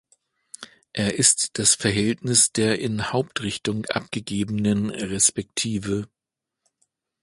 Er ist das Verhältnis der in Hauptrichtung abgegebenen resp.